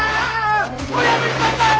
おやめください！